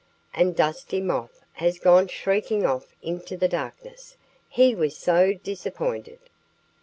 And Dusty Moth has gone shrieking off into the darkness, he was so disappointed.